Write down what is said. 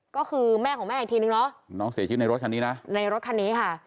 ก็คือแม่ของแม่อีกทีนึงเนาะน้องเสียชีวิตในรถคันนี้นะในรถคันนี้ค่ะ